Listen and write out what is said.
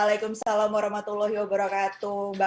dan mereka merupakan kesehatan wstr clothing untuk para warga